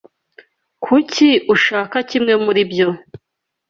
Kuki ushaka kimwe muri ibyo?